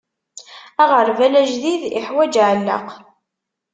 Aɣerbal ajdid iḥwaǧ aɛelleq.